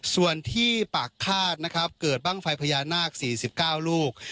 ส่วนที่ปากฆาตนะครับเกิดบ้างไฟพญานาค๔๙ลูก